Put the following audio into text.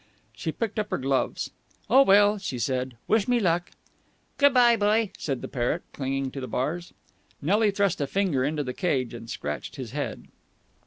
She picked up her gloves. "Oh, well!" she said. "Wish me luck!" "Good bye, boy!" said the parrot, clinging to the bars. Nelly thrust a finger into the cage, and scratched his head.